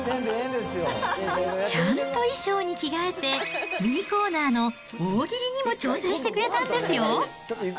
ちゃんと衣装に着替えて、ミニコーナーの大喜利にも挑戦してくれたんですよ。